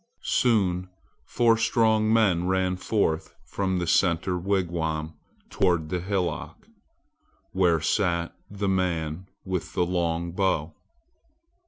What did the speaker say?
Soon four strong men ran forth from the center wigwam toward the hillock, where sat the man with the long bow.